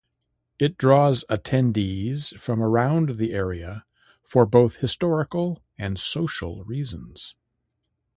It draws attendees from around the area for both historical and social reasons.